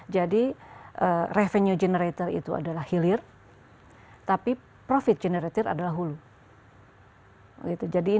jadi revenue generator itu adalah hilir tapi profit generator adalah hulu